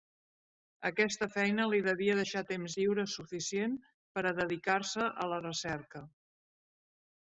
Aquesta feina li devia deixar temps lliure suficient per a dedicar-se a la recerca.